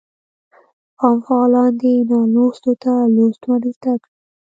عام فعالان دي نالوستو ته لوست ورزده کړي.